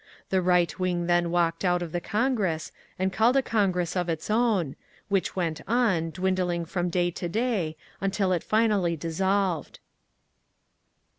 The Right Wing then walked out of the Congress and called a Congress of its own, which went on, dwindling from day to day, until it finally dissolved….